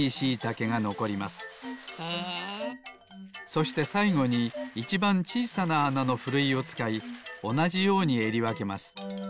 そしてさいごにいちばんちいさなあなのふるいをつかいおなじようにえりわけます。